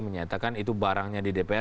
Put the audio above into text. menyatakan itu barangnya di dpr